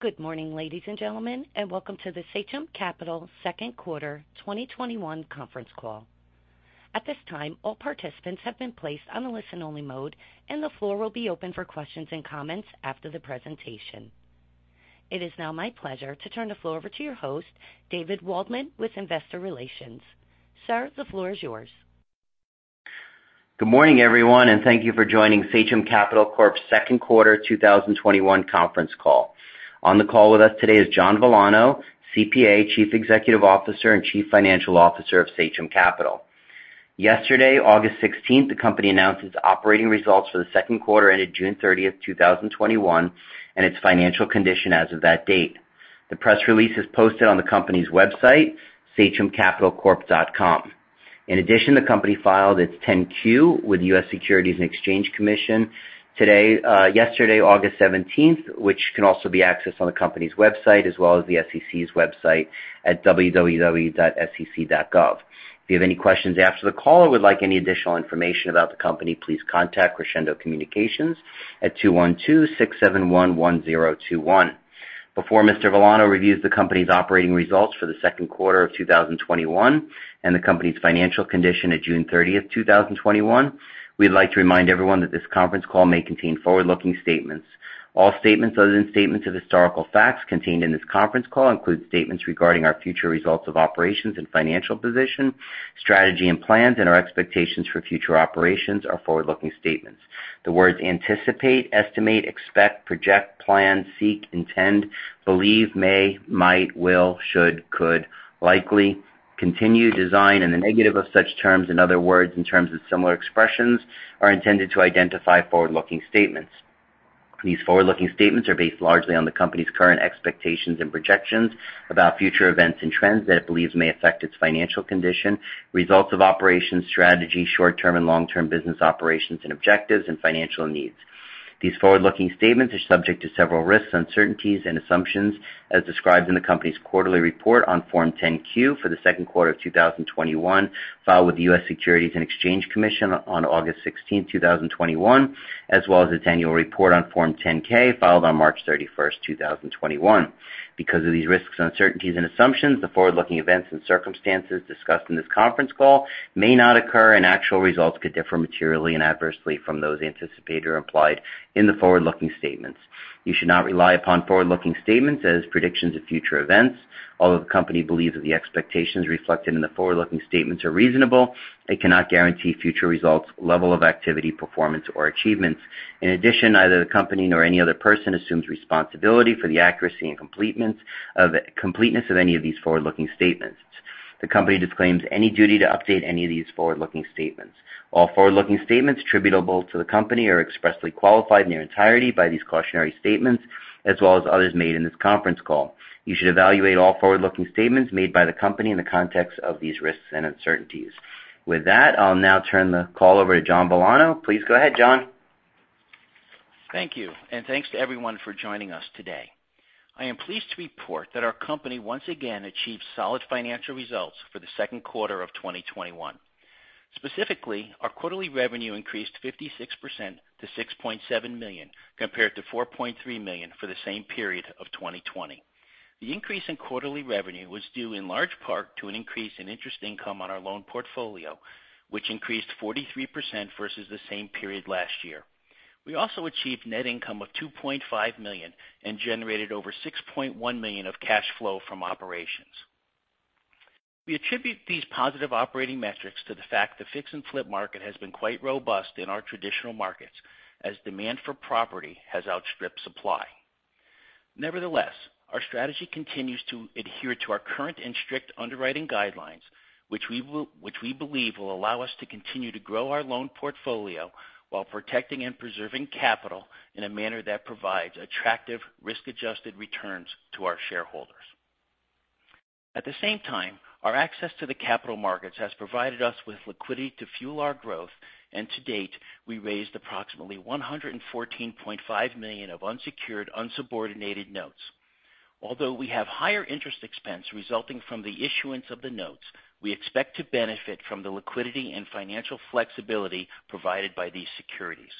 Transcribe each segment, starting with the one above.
Good morning, ladies and gentlemen, and welcome to the Sachem Capital Second Quarter 2021 Conference Call. At this time, all participants have been placed on a listen-only mode, and the floor will be open for questions and comments after the presentation. It is now my pleasure to turn the floor over to your host, David Waldman, with Investor Relations. Sir, the floor is yours. Good morning, everyone, and thank you for joining Sachem Capital Corp's Second Quarter 2021 Conference Call. On the call with us today is John Villano, CPA, Chief Executive Officer and Chief Financial Officer of Sachem Capital. Yesterday, August 16th, the company announced its operating results for the second quarter ended June 30th, 2021, and its financial condition as of that date. The press release is posted on the company's website, sachemcapitalcorp.com. In addition, the company filed its 10-Q with the U.S. Securities and Exchange Commission yesterday, August 17th, which can also be accessed on the company's website as well as the SEC's website at www.sec.gov. If you have any questions after the call or would like any additional information about the company, please contact Crescendo Communications at 212-671-1021. Before Mr. Villano reviews the company's operating results for the second quarter of 2021 and the company's financial condition at June 30th, 2021, we'd like to remind everyone that this conference call may contain forward-looking statements. All statements other than statements of historical facts contained in this conference call include statements regarding our future results of operations and financial position, strategy and plans, and our expectations for future operations are forward-looking statements. The words anticipate, estimate, expect, project, plan, seek, intend, believe, may, might, will, should, could, likely, continue, design, and the negative of such terms and other words and terms of similar expressions are intended to identify forward-looking statements. These forward-looking statements are based largely on the company's current expectations and projections about future events and trends that it believes may affect its financial condition, results of operations, strategy, short-term and long-term business operations and objectives, and financial needs. These forward-looking statements are subject to several risks, uncertainties, and assumptions as described in the company's quarterly report on Form 10-Q for the second quarter of 2021, filed with the U.S. Securities and Exchange Commission on August 16th, 2021, as well as its annual report on Form 10-K, filed on March 31st, 2021. Because of these risks, uncertainties and assumptions, the forward-looking events and circumstances discussed in this conference call may not occur, and actual results could differ materially and adversely from those anticipated or implied in the forward-looking statements. You should not rely upon forward-looking statements as predictions of future events. Although the company believes that the expectations reflected in the forward-looking statements are reasonable, it cannot guarantee future results, level of activity, performance, or achievements. In addition, neither the company nor any other person assumes responsibility for the accuracy and completeness of any of these forward-looking statements. The company disclaims any duty to update any of these forward-looking statements. All forward-looking statements attributable to the company are expressly qualified in their entirety by these cautionary statements, as well as others made in this conference call. You should evaluate all forward-looking statements made by the company in the context of these risks and uncertainties. With that, I'll now turn the call over to John Villano. Please go ahead, John. Thank you, and thanks to everyone for joining us today. I am pleased to report that our company once again achieved solid financial results for the second quarter of 2021. Specifically, our quarterly revenue increased 56% to $6.7 million compared to $4.3 million for the same period of 2020. The increase in quarterly revenue was due in large part to an increase in interest income on our loan portfolio, which increased 43% versus the same period last year. We also achieved net income of $2.5 million and generated over $6.1 million of cash flow from operations. We attribute these positive operating metrics to the fact the fix and flip market has been quite robust in our traditional markets as demand for property has outstripped supply. Nevertheless, our strategy continues to adhere to our current and strict underwriting guidelines, which we believe will allow us to continue to grow our loan portfolio while protecting and preserving capital in a manner that provides attractive risk-adjusted returns to our shareholders. At the same time, our access to the capital markets has provided us with liquidity to fuel our growth, and to date, we raised approximately $114.5 million of unsecured, unsubordinated notes. Although we have higher interest expense resulting from the issuance of the notes, we expect to benefit from the liquidity and financial flexibility provided by these securities.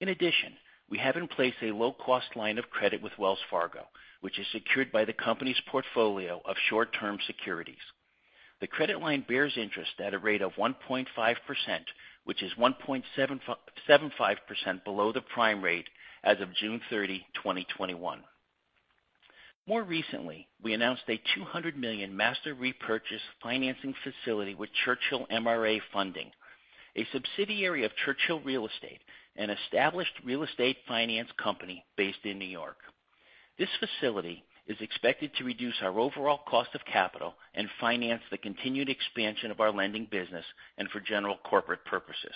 In addition, we have in place a low-cost line of credit with Wells Fargo, which is secured by the company's portfolio of short-term securities. The credit line bears interest at a rate of 1.5%, which is 1.75% below the prime rate as of June 30, 2021. More recently, we announced a $200 million master repurchase financing facility with Churchill MRA Funding, a subsidiary of Churchill Real Estate, an established real estate finance company based in New York. This facility is expected to reduce our overall cost of capital and finance the continued expansion of our lending business and for general corporate purposes.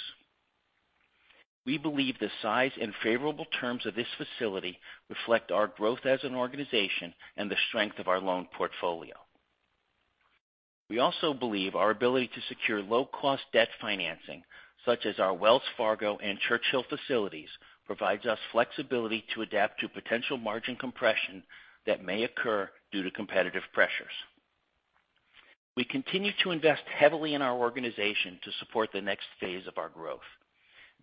We believe the size and favorable terms of this facility reflect our growth as an organization and the strength of our loan portfolio. We also believe our ability to secure low-cost debt financing, such as our Wells Fargo and Churchill facilities, provides us flexibility to adapt to potential margin compression that may occur due to competitive pressures. We continue to invest heavily in our organization to support the next phase of our growth.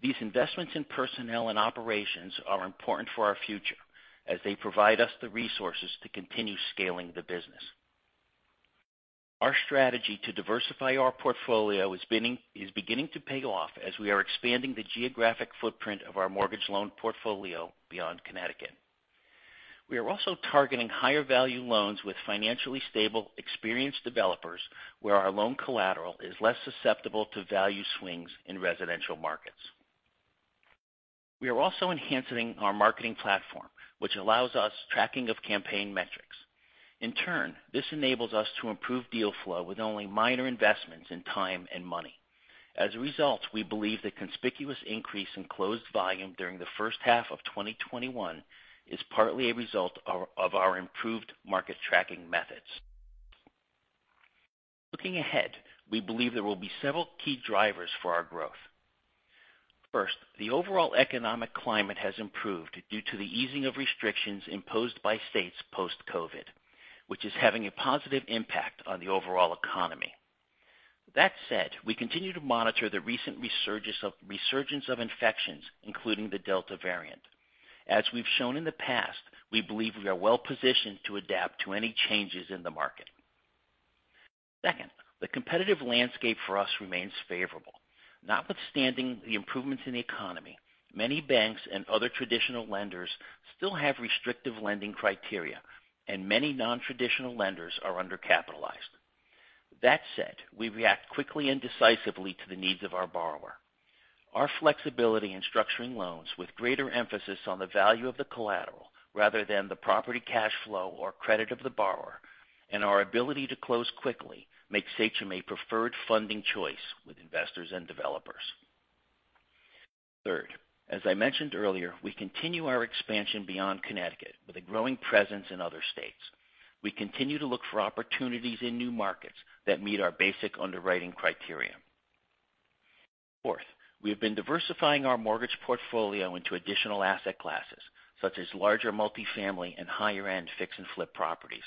These investments in personnel and operations are important for our future as they provide us the resources to continue scaling the business. Our strategy to diversify our portfolio is beginning to pay off as we are expanding the geographic footprint of our mortgage loan portfolio beyond Connecticut. We are also targeting higher value loans with financially stable, experienced developers where our loan collateral is less susceptible to value swings in residential markets. We are also enhancing our marketing platform, which allows us tracking of campaign metrics. In turn, this enables us to improve deal flow with only minor investments in time and money. As a result, we believe the conspicuous increase in closed volume during the first half of 2021 is partly a result of our improved market tracking methods. Looking ahead, we believe there will be several key drivers for our growth. First, the overall economic climate has improved due to the easing of restrictions imposed by states post-COVID, which is having a positive impact on the overall economy. That said, we continue to monitor the recent resurgence of infections, including the Delta variant. As we've shown in the past, we believe we are well positioned to adapt to any changes in the market. Second, the competitive landscape for us remains favorable. Notwithstanding the improvements in the economy, many banks and other traditional lenders still have restrictive lending criteria, and many non-traditional lenders are undercapitalized. That said, we react quickly and decisively to the needs of our borrower. Our flexibility in structuring loans with greater emphasis on the value of the collateral rather than the property cash flow or credit of the borrower, and our ability to close quickly, makes Sachem a preferred funding choice with investors and developers. Third, as I mentioned earlier, we continue our expansion beyond Connecticut with a growing presence in other states. We continue to look for opportunities in new markets that meet our basic underwriting criteria. Fourth, we have been diversifying our mortgage portfolio into additional asset classes, such as larger multifamily and higher-end fix and flip properties.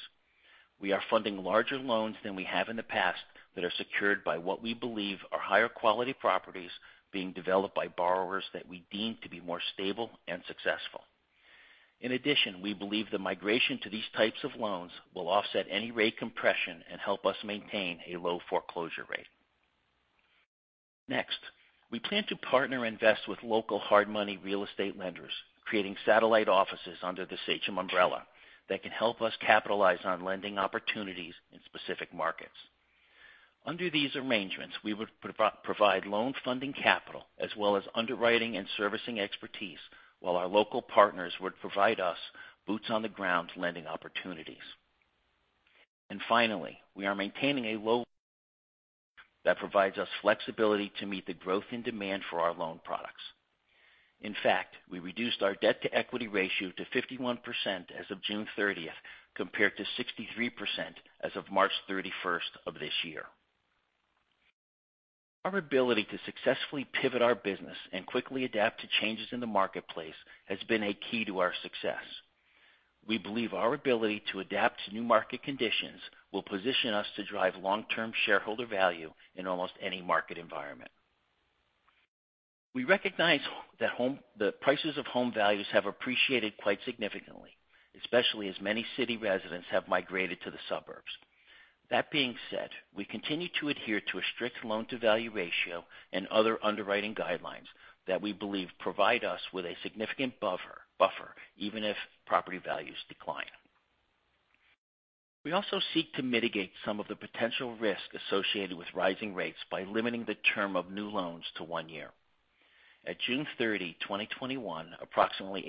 We are funding larger loans than we have in the past that are secured by what we believe are higher quality properties being developed by borrowers that we deem to be more stable and successful. In addition, we believe the migration to these types of loans will offset any rate compression and help us maintain a low foreclosure rate. Next, we plan to partner invest with local hard money real estate lenders, creating satellite offices under the Sachem umbrella that can help us capitalize on lending opportunities in specific markets. Under these arrangements, we would provide loan funding capital as well as underwriting and servicing expertise while our local partners would provide us boots on the ground lending opportunities. Finally, we are maintaining a low that provides us flexibility to meet the growth and demand for our loan products. In fact, we reduced our debt-to-equity ratio to 51% as of June 30th, compared to 63% as of March 31st of this year. Our ability to successfully pivot our business and quickly adapt to changes in the marketplace has been a key to our success. We believe our ability to adapt to new market conditions will position us to drive long-term shareholder value in almost any market environment. We recognize that prices of home values have appreciated quite significantly, especially as many city residents have migrated to the suburbs. That being said, we continue to adhere to a strict loan-to-value ratio and other underwriting guidelines that we believe provide us with a significant buffer, even if property values decline. We also seek to mitigate some of the potential risk associated with rising rates by limiting the term of new loans to one year. At June 30, 2021, approximately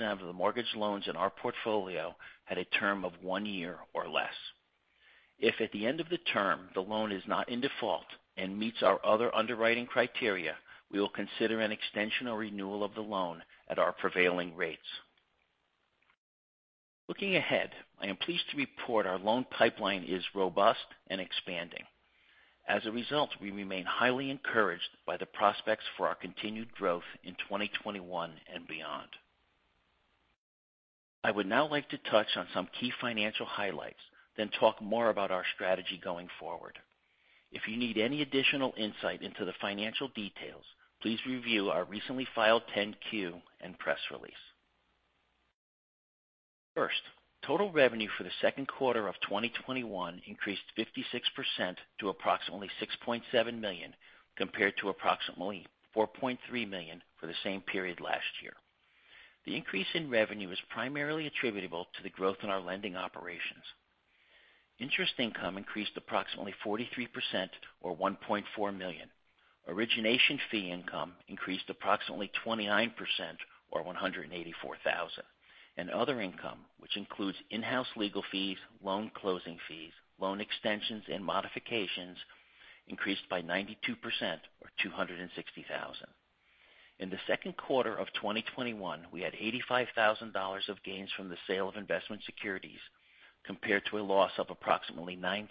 88% of the mortgage loans in our portfolio had a term of one year or less. If at the end of the term, the loan is not in default and meets our other underwriting criteria, we will consider an extension or renewal of the loan at our prevailing rates. Looking ahead, I am pleased to report our loan pipeline is robust and expanding. As a result, we remain highly encouraged by the prospects for our continued growth in 2021 and beyond. I would now like to touch on some key financial highlights, then talk more about our strategy going forward. If you need any additional insight into the financial details, please review our recently filed 10-Q and press release. First, total revenue for the second quarter of 2021 increased 56% to approximately $6.7 million, compared to approximately $4.3 million for the same period last year. The increase in revenue is primarily attributable to the growth in our lending operations. Interest income increased approximately 43% or $1.4 million. Origination fee income increased approximately 29% or $184,000. Other income, which includes in-house legal fees, loan closing fees, loan extensions, and modifications, increased by 92% or $260,000. In the second quarter of 2021, we had $85,000 of gains from the sale of investment securities, compared to a loss of approximately $9,000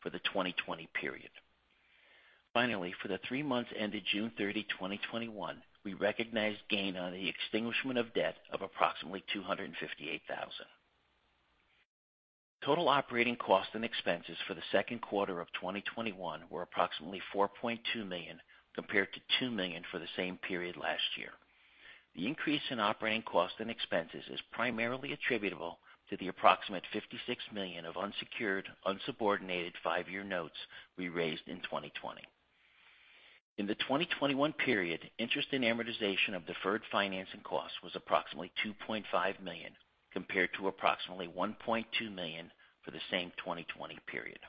for the 2020 period. Finally, for the three months ended June 30, 2021, we recognized gain on the extinguishment of debt of approximately $258,000. Total operating costs and expenses for the second quarter of 2021 were approximately $4.2 million, compared to $2 million for the same period last year. The increase in operating costs and expenses is primarily attributable to the approximate $56 million of unsecured, unsubordinated five-year notes we raised in 2020. In the 2021 period, interest and amortization of deferred financing costs was approximately $2.5 million, compared to approximately $1.2 million for the same 2020 period.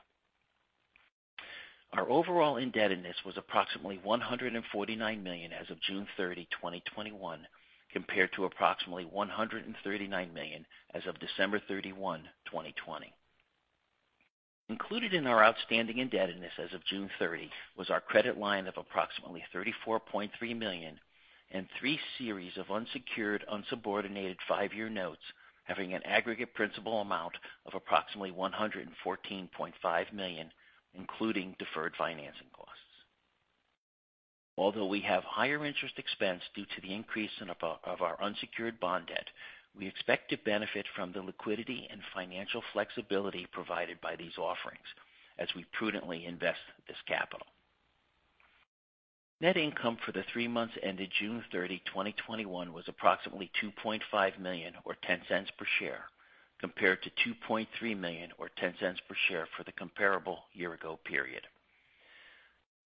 Our overall indebtedness was approximately $149 million as of June 30, 2021, compared to approximately $139 million as of December 31, 2020. Included in our outstanding indebtedness as of June 30 was our credit line of approximately $34.3 million and three series of unsecured, unsubordinated five-year notes having an aggregate principal amount of approximately $114.5 million, including deferred financing costs. Although we have higher interest expense due to the increase of our unsecured bond debt, we expect to benefit from the liquidity and financial flexibility provided by these offerings as we prudently invest this capital. Net income for the three months ended June 30, 2021, was approximately $2.5 million, or $0.10 per share, compared to $2.3 million, or $0.10 per share, for the comparable year-ago period.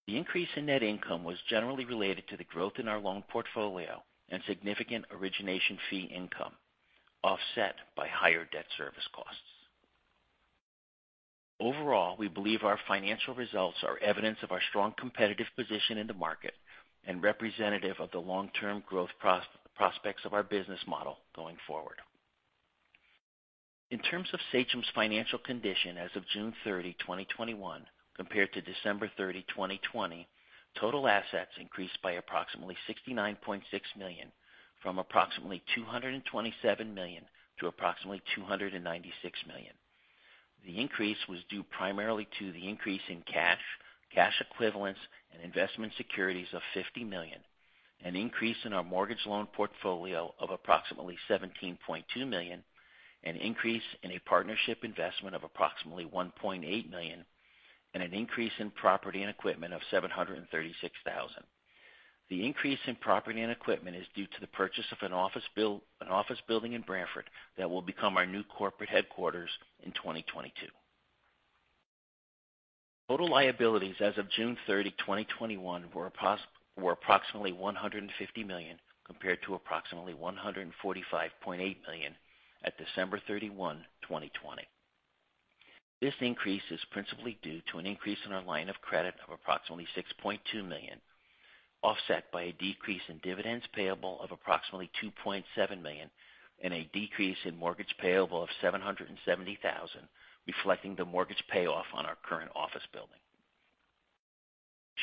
The increase in net income was generally related to the growth in our loan portfolio and significant origination fee income, offset by higher debt service costs. Overall, we believe our financial results are evidence of our strong competitive position in the market and representative of the long-term growth prospects of our business model going forward. In terms of Sachem's financial condition as of June 30, 2021, compared to December 30, 2020, total assets increased by approximately $69.6 million, from approximately $227 million to approximately $296 million. The increase was due primarily to the increase in cash equivalents, and investment securities of $50 million, an increase in our mortgage loan portfolio of approximately $17.2 million, an increase in a partnership investment of approximately $1.8 million, and an increase in property and equipment of $736,000. The increase in property and equipment is due to the purchase of an office building in Branford that will become our new corporate headquarters in 2022. Total liabilities as of June 30, 2021, were approximately $150 million, compared to approximately $145.8 million at December 31, 2020. This increase is principally due to an increase in our line of credit of approximately $6.2 million, offset by a decrease in dividends payable of approximately $2.7 million and a decrease in mortgage payable of $770,000, reflecting the mortgage payoff on our current office building.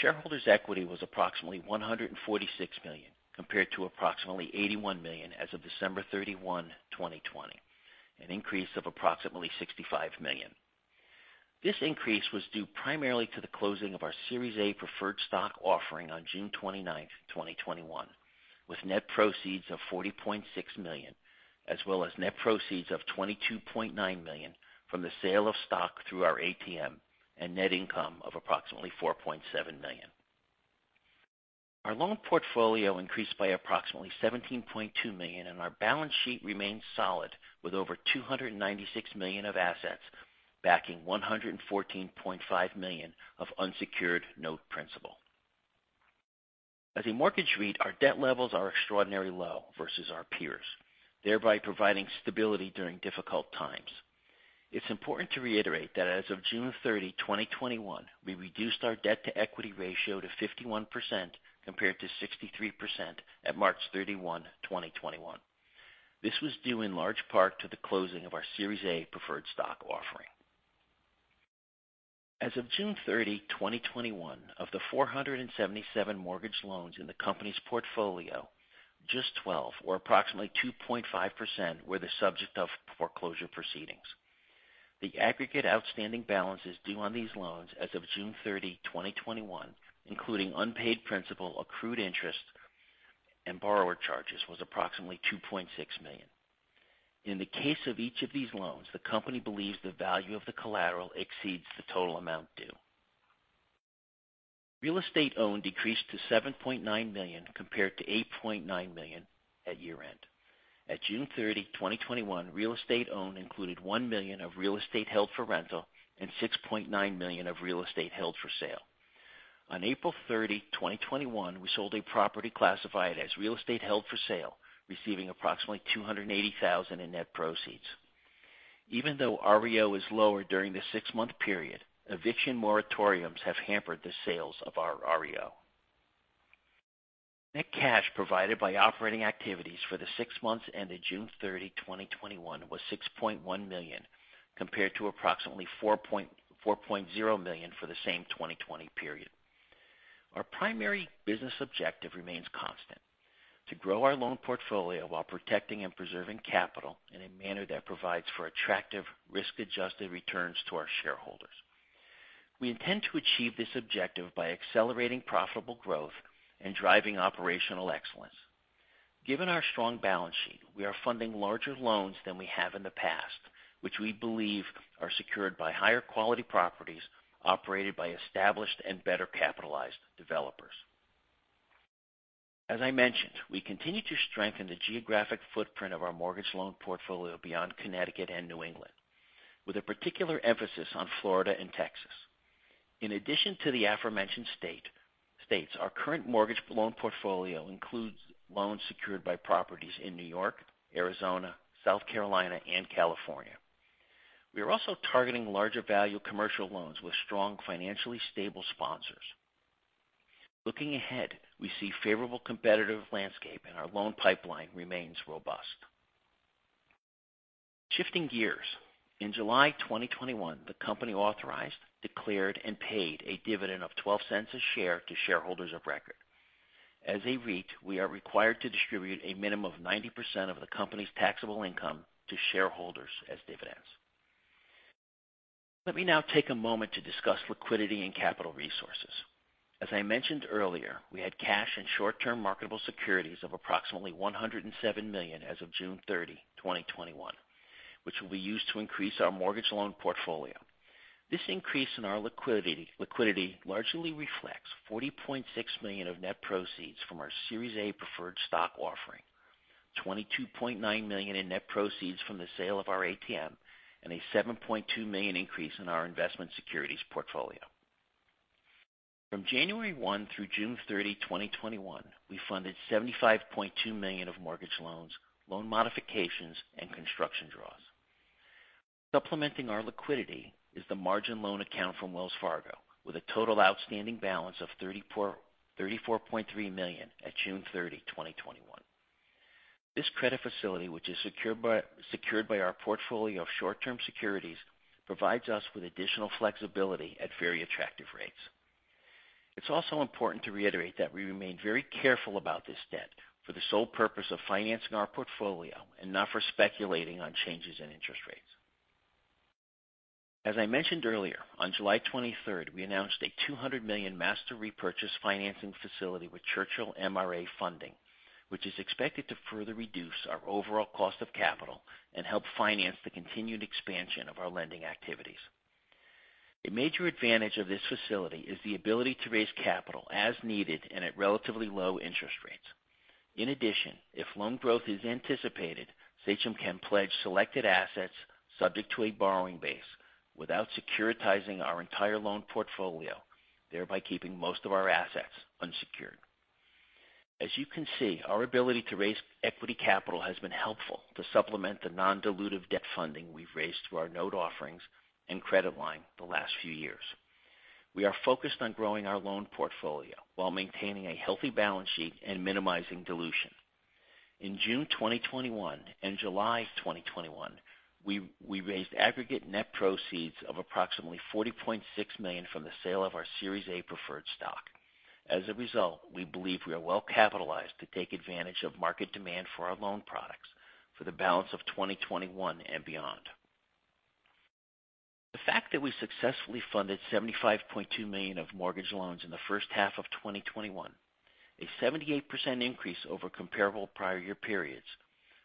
Shareholders' equity was approximately $146 million, compared to approximately $81 million as of December 31, 2020, an increase of approximately $65 million. This increase was due primarily to the closing of our Series A preferred stock offering on June 29th, 2021, with net proceeds of $40.6 million, as well as net proceeds of $22.9 million from the sale of stock through our ATM and net income of approximately $4.7 million. Our loan portfolio increased by approximately $17.2 million, and our balance sheet remains solid with over $296 million of assets, backing $114.5 million of unsecured note principal. As a mortgage REIT, our debt levels are extraordinarily low versus our peers, thereby providing stability during difficult times. It's important to reiterate that as of June 30, 2021, we reduced our debt-to-equity ratio to 51%, compared to 63% at March 31, 2021. This was due in large part to the closing of our Series A preferred stock offering. As of June 30, 2021, of the 477 mortgage loans in the company's portfolio, just 12, or approximately 2.5%, were the subject of foreclosure proceedings. The aggregate outstanding balances due on these loans as of June 30, 2021, including unpaid principal, accrued interest, and borrower charges, was approximately $2.6 million. In the case of each of these loans, the company believes the value of the collateral exceeds the total amount due. Real estate owned decreased to $7.9 million, compared to $8.9 million at year-end. At June 30, 2021, real estate owned included $1 million of real estate held for rental and $6.9 million of real estate held for sale. On April 30, 2021, we sold a property classified as real estate held for sale, receiving approximately $280,000 in net proceeds. Even though REO is lower during this six-month period, eviction moratoriums have hampered the sales of our REO. Net cash provided by operating activities for the six months ended June 30, 2021, was $6.1 million, compared to approximately $4.0 million for the same 2020 period. Our primary business objective remains constant. To grow our loan portfolio while protecting and preserving capital in a manner that provides for attractive risk-adjusted returns to our shareholders. We intend to achieve this objective by accelerating profitable growth and driving operational excellence. Given our strong balance sheet, we are funding larger loans than we have in the past, which we believe are secured by higher quality properties operated by established and better-capitalized developers. As I mentioned, we continue to strengthen the geographic footprint of our mortgage loan portfolio beyond Connecticut and New England, with a particular emphasis on Florida and Texas. In addition to the aforementioned states, our current mortgage loan portfolio includes loans secured by properties in New York, Arizona, South Carolina, and California. We are also targeting larger value commercial loans with strong, financially stable sponsors. Looking ahead, we see favorable competitive landscape. Our loan pipeline remains robust. Shifting gears. In July 2021, the company authorized, declared, and paid a dividend of $0.12 a share to shareholders of record. As a REIT, we are required to distribute a minimum of 90% of the company's taxable income to shareholders as dividends. Let me now take a moment to discuss liquidity and capital resources. As I mentioned earlier, we had cash and short-term marketable securities of approximately $107 million as of June 30, 2021, which will be used to increase our mortgage loan portfolio. This increase in our liquidity largely reflects $40.6 million of net proceeds from our Series A Preferred Stock offering, $22.9 million in net proceeds from the sale of our ATM, and a $7.2 million increase in our investment securities portfolio. From January 1 through June 30, 2021, we funded $75.2 million of mortgage loans, loan modifications, and construction draws. Supplementing our liquidity is the margin loan account from Wells Fargo with a total outstanding balance of $34.3 million at June 30, 2021. This credit facility, which is secured by our portfolio of short-term securities, provides us with additional flexibility at very attractive rates. It's also important to reiterate that we remain very careful about this debt for the sole purpose of financing our portfolio and not for speculating on changes in interest rates. As I mentioned earlier, on July 23rd, we announced a $200 million master repurchase financing facility with Churchill MRA Funding, which is expected to further reduce our overall cost of capital and help finance the continued expansion of our lending activities. A major advantage of this facility is the ability to raise capital as needed and at relatively low interest rates. In addition, if loan growth is anticipated, Sachem can pledge selected assets subject to a borrowing base without securitizing our entire loan portfolio, thereby keeping most of our assets unsecured. As you can see, our ability to raise equity capital has been helpful to supplement the non-dilutive debt funding we've raised through our note offerings and credit line the last few years. We are focused on growing our loan portfolio while maintaining a healthy balance sheet and minimizing dilution. In June 2021 and July 2021, we raised aggregate net proceeds of approximately $40.6 million from the sale of our Series A preferred stock. As a result, we believe we are well capitalized to take advantage of market demand for our loan products for the balance of 2021 and beyond. The fact that we successfully funded $75.2 million of mortgage loans in the first half of 2021, a 78% increase over comparable prior year periods,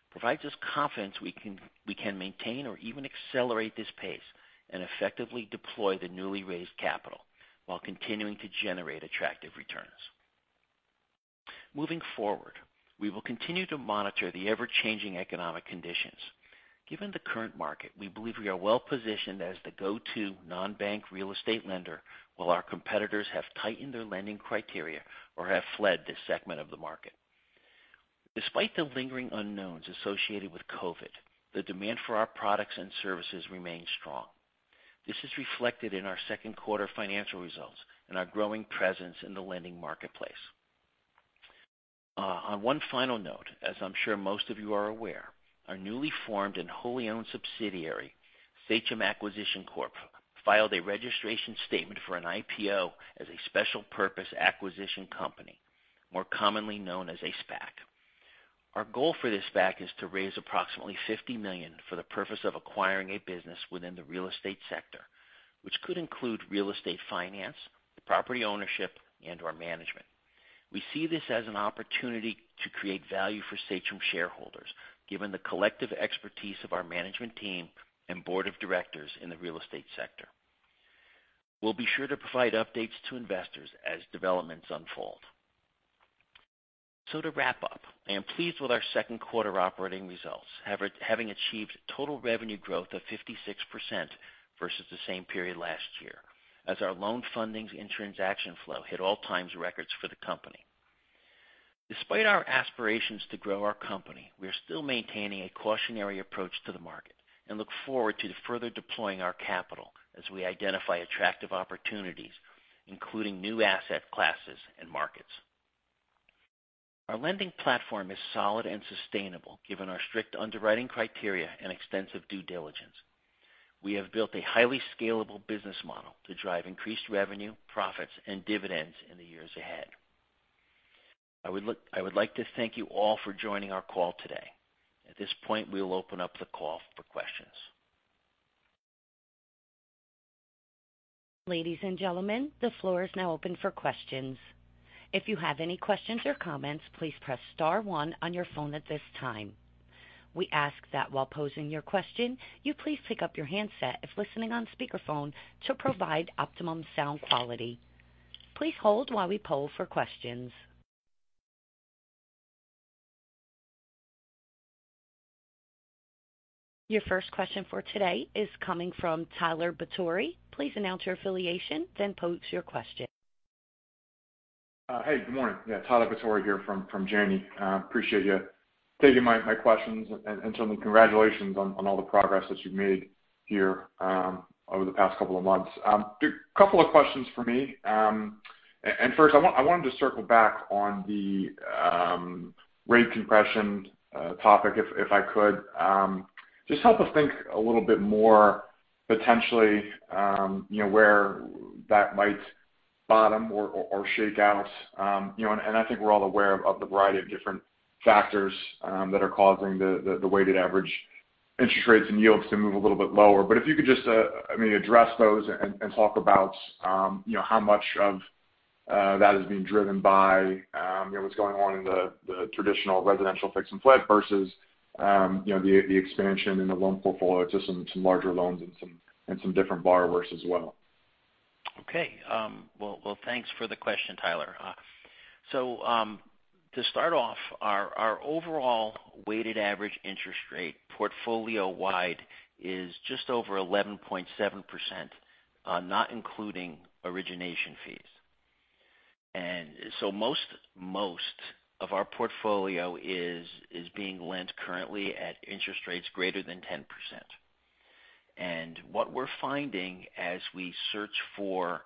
provides us confidence we can maintain or even accelerate this pace and effectively deploy the newly raised capital while continuing to generate attractive returns. Moving forward, we will continue to monitor the ever-changing economic conditions. Given the current market, we believe we are well positioned as the go-to non-bank real estate lender while our competitors have tightened their lending criteria or have fled this segment of the market. Despite the lingering unknowns associated with COVID, the demand for our products and services remains strong. This is reflected in our second quarter financial results and our growing presence in the lending marketplace. On one final note, as I'm sure most of you are aware, our newly formed and wholly owned subsidiary, Sachem Acquisition Corp., filed a registration statement for an IPO as a special purpose acquisition company, more commonly known as a SPAC. Our goal for this SPAC is to raise approximately $50 million for the purpose of acquiring a business within the real estate sector, which could include real estate finance, property ownership, and/or management. We see this as an opportunity to create value for Sachem shareholders, given the collective expertise of our management team and board of directors in the real estate sector. We'll be sure to provide updates to investors as developments unfold. To wrap up, I am pleased with our second quarter operating results, having achieved total revenue growth of 56% versus the same period last year as our loan fundings and transaction flow hit all-time records for the company. Despite our aspirations to grow our company, we are still maintaining a cautionary approach to the market and look forward to further deploying our capital as we identify attractive opportunities, including new asset classes and markets. Our lending platform is solid and sustainable given our strict underwriting criteria and extensive due diligence. We have built a highly scalable business model to drive increased revenue, profits, and dividends in the years ahead. I would like to thank you all for joining our call today. At this point, we'll open up the call for questions. Ladies and gentlemen, the floor is now open for questions. Your first question for today is coming from Tyler Batory. Please announce your affiliation, then pose your question. Hey, good morning. Yeah. Tyler Batory here from Janney. Appreciate you taking my questions, and certainly congratulations on all the progress that you've made here over the past two months. Two questions for me. First, I wanted to circle back on the rate compression topic, if I could. Just help us think a little bit more potentially where that might bottom or shake out. I think we're all aware of the variety of different factors that are causing the weighted average interest rates and yields to move a little bit lower. If you could just, maybe address those and talk about how much of that is being driven by what's going on in the traditional residential fix and flip versus the expansion in the loan portfolio to some larger loans and some different borrowers as well. Well, thanks for the question, Tyler. To start off, our overall weighted average interest rate portfolio-wide is just over 11.7%, not including origination fees. Most of our portfolio is being lent currently at interest rates greater than 10%. What we're finding as we search for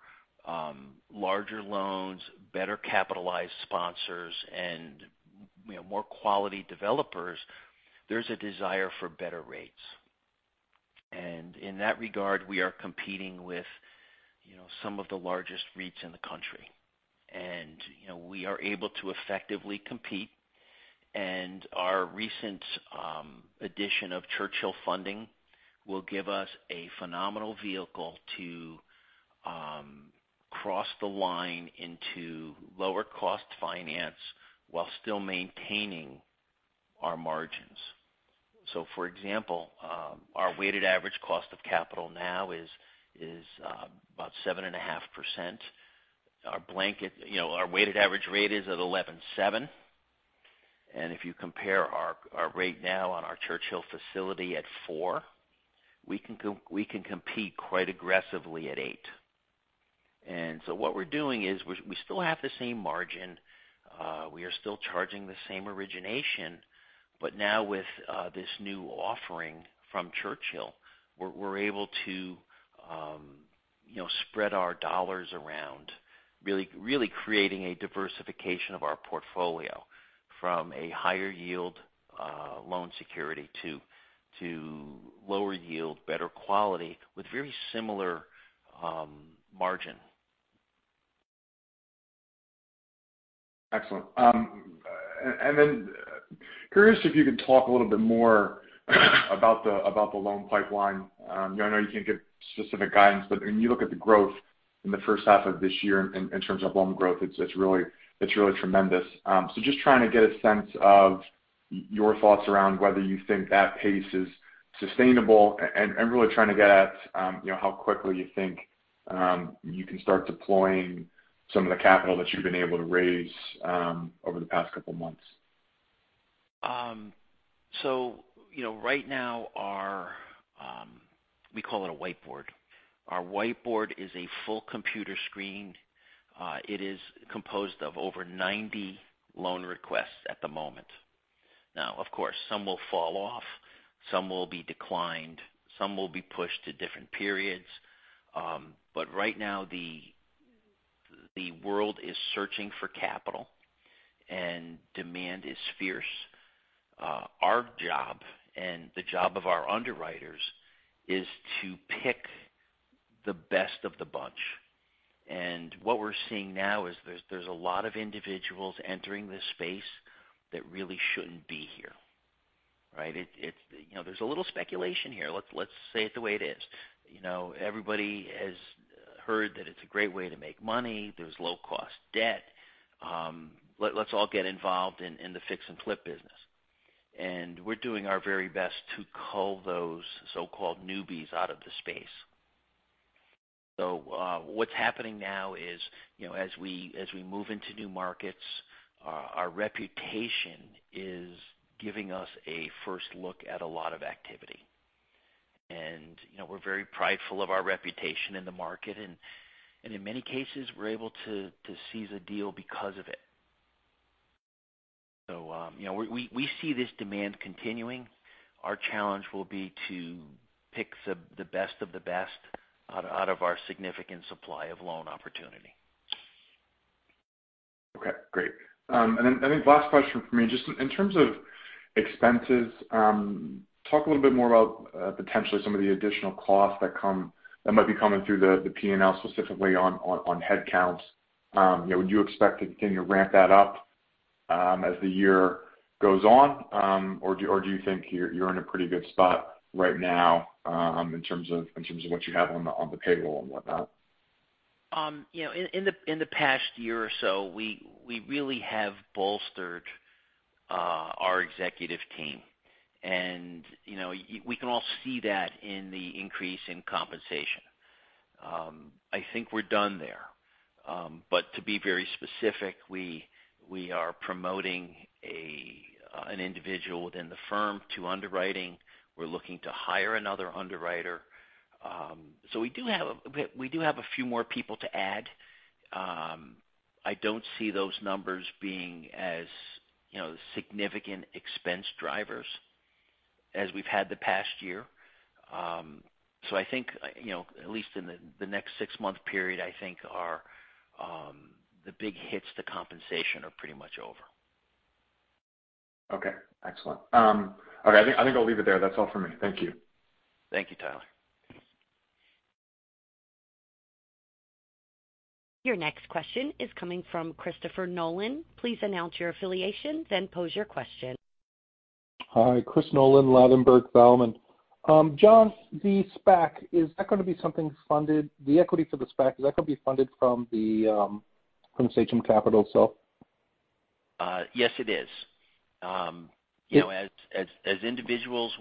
larger loans, better capitalized sponsors, and more quality developers, there's a desire for better rates. In that regard, we are competing with some of the largest REITs in the country. We are able to effectively compete. Our recent addition of Churchill funding will give us a phenomenal vehicle to cross the line into lower cost finance while still maintaining our margins. For example, our weighted average cost of capital now is about 7.5%. Our weighted average rate is at 11.7%. If you compare our rate now on our Churchill facility at 4%, we can compete quite aggressively at 8%. What we're doing is we still have the same margin. We are still charging the same origination. Now with this new offering from Churchill, we're able to spread our dollars around, really creating a diversification of our portfolio from a higher yield loan security to lower yield, better quality with very similar margin. Excellent. Curious if you could talk a little bit more about the loan pipeline. I know you can't give specific guidance, but when you look at the growth in the first half of this year in terms of loan growth, it's really tremendous. Just trying to get a sense of your thoughts around whether you think that pace is sustainable and really trying to get at how quickly you think you can start deploying some of the capital that you've been able to raise over the past couple of months. Right now, we call it a whiteboard. Our whiteboard is a full computer screen. It is composed of over 90 loan requests at the moment. Of course, some will fall off, some will be declined, some will be pushed to different periods. Right now, the world is searching for capital, and demand is fierce. Our job and the job of our underwriters is to pick the best of the bunch. What we're seeing now is there's a lot of individuals entering this space that really shouldn't be here. Right? There's a little speculation here. Let's say it the way it is. Everybody has heard that it's a great way to make money. There's low cost debt. Let's all get involved in the fix and flip business. We're doing our very best to cull those so-called newbies out of the space. What's happening now is, as we move into new markets, our reputation is giving us a first look at a lot of activity. We're very prideful of our reputation in the market, and in many cases, we're able to seize a deal because of it. We see this demand continuing. Our challenge will be to pick the best of the best out of our significant supply of loan opportunity. I think last question from me, just in terms of expenses, talk a little bit more about potentially some of the additional costs that might be coming through the P&L specifically on headcounts. Would you expect to continue to ramp that up as the year goes on? Or do you think you're in a pretty good spot right now in terms of what you have on the payroll and whatnot? In the past year or so, we really have bolstered our executive team. We can all see that in the increase in compensation. I think we're done there. To be very specific, we are promoting an individual within the firm to underwriting. We're looking to hire another underwriter. We do have a few more people to add. I don't see those numbers being as significant expense drivers as we've had the past year. I think, at least in the next six-month period, the big hits to compensation are pretty much over. Okay, excellent. Okay. I think I'll leave it there. That's all for me. Thank you. Thank you, Tyler. Your next question is coming from Christopher Nolan. Please announce your affiliation, then pose your question. Hi, Chris Nolan, Ladenburg Thalmann. John, the SPAC, is that going to be something funded, the equity for the SPAC, is that going to be funded from Sachem Capital itself? Yes, it is. Yeah. As individuals,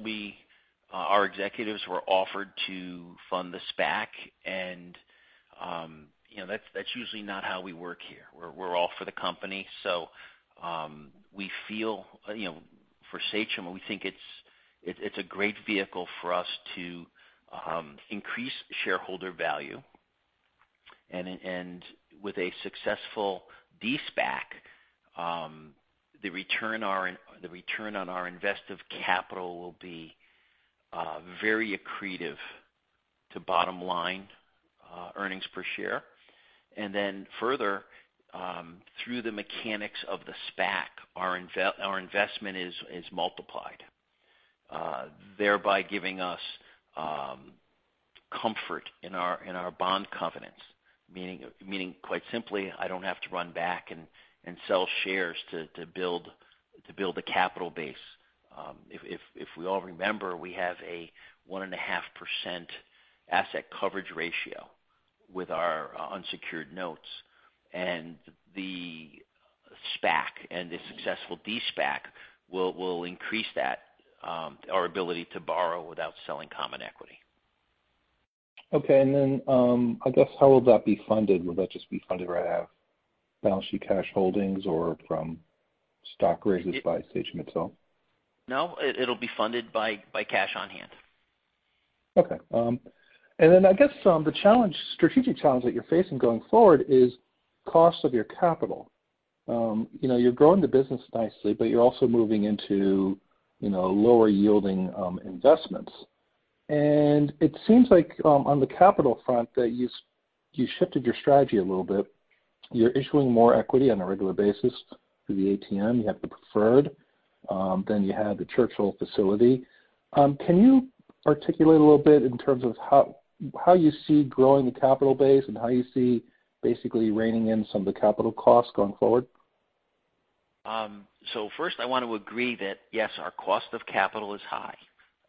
our executives were offered to fund the SPAC, and that's usually not how we work here. We're all for the company. We feel, for Sachem, we think it's a great vehicle for us to increase shareholder value. With a successful de-SPAC, the return on our invested capital will be very accretive to bottom-line earnings per share. Further, through the mechanics of the SPAC, our investment is multiplied, thereby giving us comfort in our bond covenants, meaning quite simply, I don't have to run back and sell shares to build a capital base. If we all remember, we have a 1.5% asset coverage ratio with our unsecured notes. The SPAC and the successful de-SPAC will increase that, our ability to borrow without selling common equity. Okay. I guess how will that be funded? Will that just be funded right out of balance sheet cash holdings or from stock raises by Sachem itself? No, it'll be funded by cash on hand. Okay. I guess the strategic challenge that you're facing going forward is cost of your capital. You're growing the business nicely, but you're also moving into lower yielding investments. It seems like on the capital front that you shifted your strategy a little bit. You're issuing more equity on a regular basis through the ATM. You have the preferred. You have the Churchill facility. Can you articulate a little bit in terms of how you see growing the capital base and how you see basically reining in some of the capital costs going forward? First I want to agree that, yes, our cost of capital is high.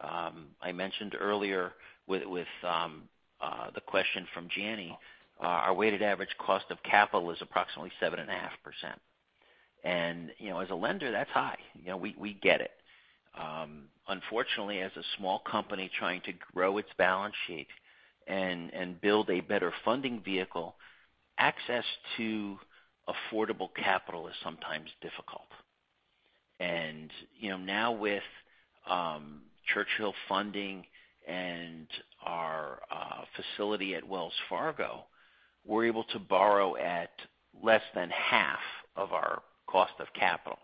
I mentioned earlier with the question from Janney, our weighted average cost of capital is approximately 7.5%. As a lender, that's high. We get it. Unfortunately, as a small company trying to grow its balance sheet and build a better funding vehicle, access to affordable capital is sometimes difficult. Now with Churchill funding and our facility at Wells Fargo, we're able to borrow at less than half of our cost of capital.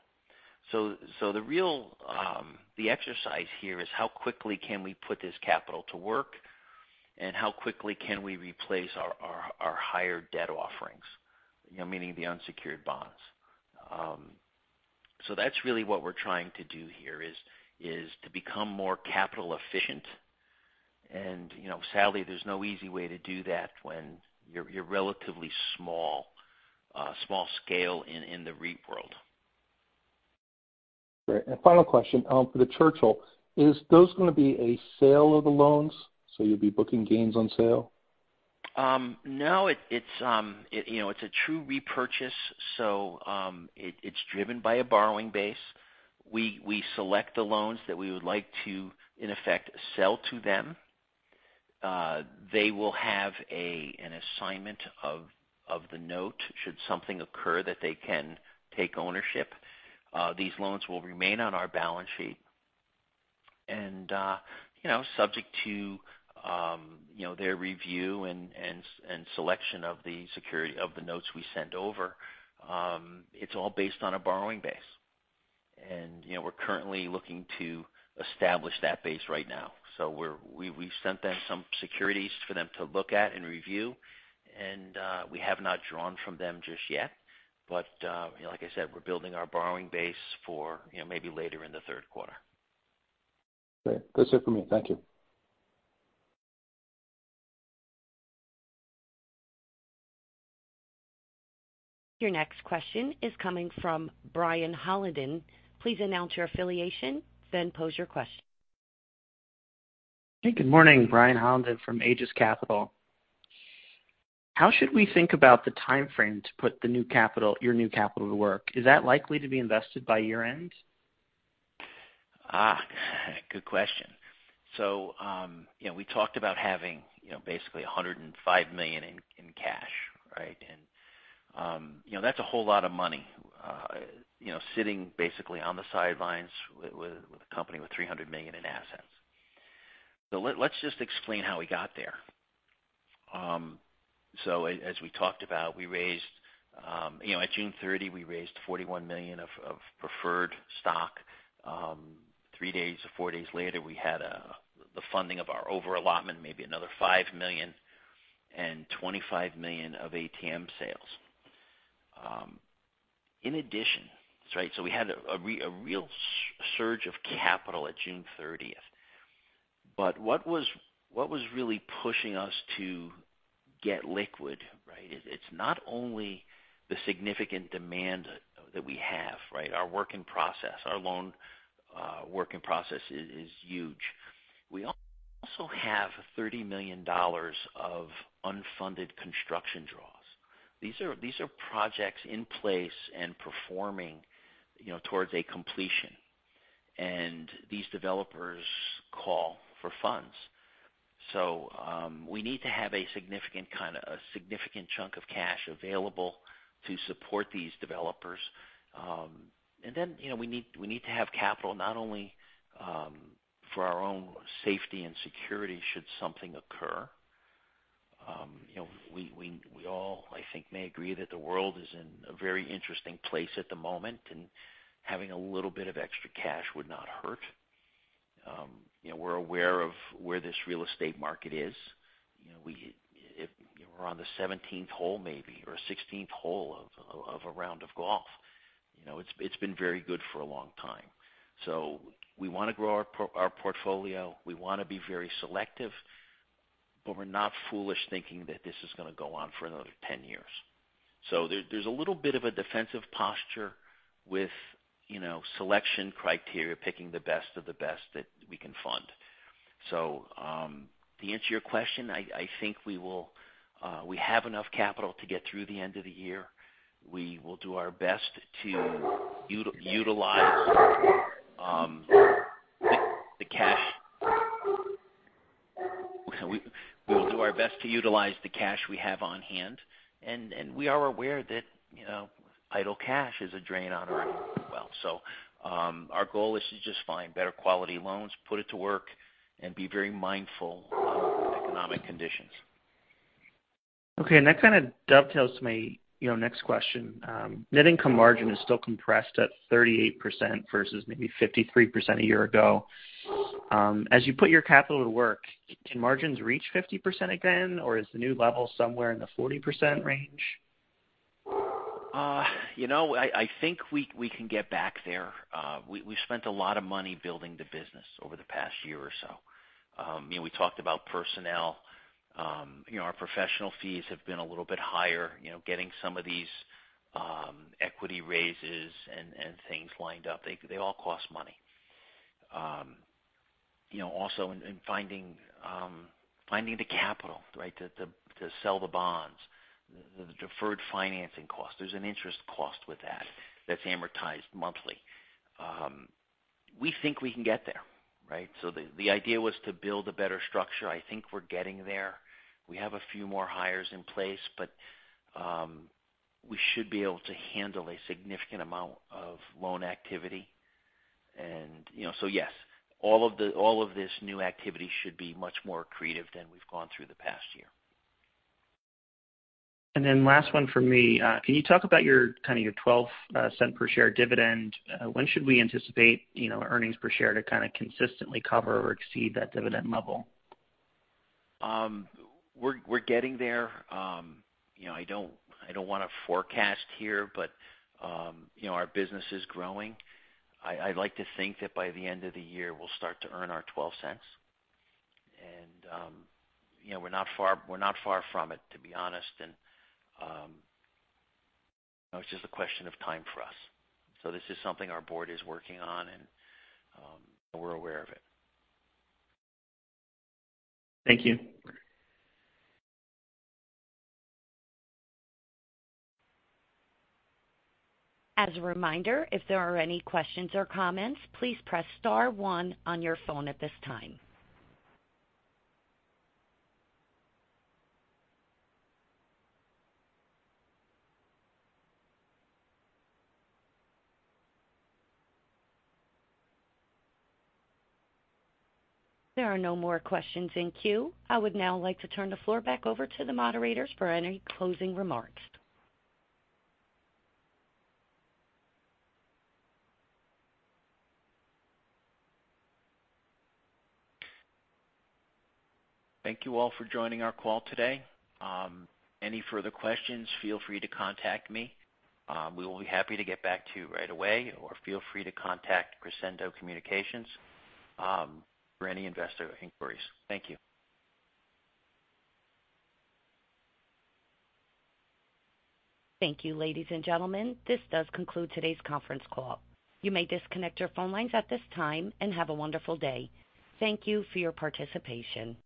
The exercise here is how quickly can we put this capital to work and how quickly can we replace our higher debt offerings, meaning the unsecured bonds. That's really what we're trying to do here is to become more capital efficient. Sadly, there's no easy way to do that when you're relatively small scale in the REIT world. Great. Final question. For the Churchill, is those going to be a sale of the loans, so you'll be booking gains on sale? No, it's a true repurchase, so it's driven by a borrowing base. We select the loans that we would like to, in effect, sell to them. They will have an assignment of the note should something occur that they can take ownership. These loans will remain on our balance sheet. Subject to their review and selection of the notes we send over, it's all based on a borrowing base. We're currently looking to establish that base right now. We've sent them some securities for them to look at and review, and we have not drawn from them just yet. Like I said, we're building our borrowing base for maybe later in the third quarter. Great. That's it for me. Thank you. Your next question is coming from Brian Hollenden. Please announce your affiliation, then pose your question. Hey, good morning. Brian Hollenden from Aegis Capital. How should we think about the timeframe to put your new capital to work? Is that likely to be invested by year-end? Good question. We talked about having basically $105 million in cash. That's a whole lot of money sitting basically on the sidelines with a company with $300 million in assets. Let's just explain how we got there. As we talked about, at June 30, we raised $41 million of preferred stock. Three days or four days later, we had the funding of our over-allotment, maybe another $5 million and $25 million of ATM sales. In addition, we had a real surge of capital at June 30th. What was really pushing us to get liquid, it's not only the significant demand that we have. Our work in process, our loan work in process is huge. We also have $30 million of unfunded construction draws. These are projects in place and performing towards a completion. These developers call for funds. We need to have a significant chunk of cash available to support these developers. We need to have capital not only for our own safety and security should something occur. We all, I think, may agree that the world is in a very interesting place at the moment, and having a little bit of extra cash would not hurt. We're aware of where this real estate market is. We're on the 17th hole maybe, or 16th hole of a round of golf. It's been very good for a long time. We want to grow our portfolio. We want to be very selective, we're not foolish thinking that this is going to go on for another 10 years. There's a little bit of a defensive posture with selection criteria, picking the best of the best that we can fund. To answer your question, I think we have enough capital to get through the end of the year. We will do our best to utilize the cash we have on hand, and we are aware that idle cash is a drain on our wealth. Our goal is to just find better quality loans, put it to work, and be very mindful of economic conditions. Okay, that kind of dovetails to my next question. Net income margin is still compressed at 38% versus maybe 53% a year ago. As you put your capital to work, can margins reach 50% again, or is the new level somewhere in the 40% range? I think we can get back there. We spent a lot of money building the business over the past year or so. We talked about personnel. Our professional fees have been a little bit higher. Getting some of these equity raises and things lined up, they all cost money. In finding the capital to sell the bonds, the deferred financing cost, there's an interest cost with that's amortized monthly. We think we can get there. The idea was to build a better structure. I think we're getting there. We have a few more hires in place, but we should be able to handle a significant amount of loan activity. Yes, all of this new activity should be much more accretive than we've gone through the past year. Last one for me. Can you talk about your $0.12 per share dividend? When should we anticipate earnings per share to consistently cover or exceed that dividend level? We're getting there. I don't want to forecast here, but our business is growing. I'd like to think that by the end of the year, we'll start to earn our $0.12. We're not far from it, to be honest. It's just a question of time for us. This is something our board is working on, and we're aware of it. Thank you. As a reminder, if there are any questions or comments, please press star one on your phone at this time. There are no more questions in queue. I would now like to turn the floor back over to the moderators for any closing remarks. Thank you all for joining our call today. Any further questions, feel free to contact me. We will be happy to get back to you right away, or feel free to contact Crescendo Communications for any investor inquiries. Thank you. Thank you, ladies and gentlemen. This does conclude today's conference call. You may disconnect your phone lines at this time, and have a wonderful day. Thank you for your participation.